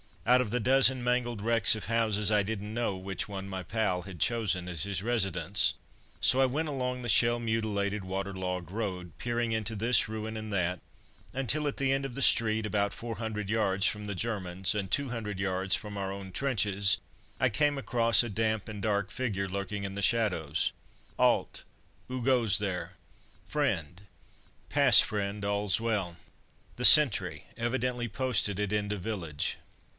Out of the dozen mangled wrecks of houses I didn't know which one my pal had chosen as his residence, so I went along the shell mutilated, water logged road, peering into this ruin and that, until, at the end of the street, about four hundred yards from the Germans and two hundred yards from our own trenches, I came across a damp and dark figure lurking in the shadows: "'Alt! 'oo goes there?" "Friend!" "Pass, friend, all's well." The sentry, evidently posted at end of village.